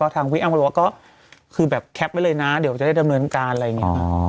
ทางพี่อ้ำก็บอกว่าก็คือแบบแคปไว้เลยนะเดี๋ยวจะได้ดำเนินการอะไรอย่างนี้